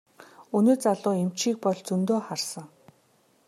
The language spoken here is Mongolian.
Өнөө залуу эмчийг бол зөндөө харсан.